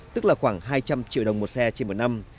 tức là khoảng hai trăm linh triệu đồng một xe trên một năm